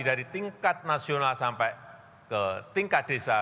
dari tingkat nasional sampai ke tingkat desa